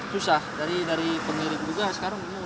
susah dari pemilik juga sekarang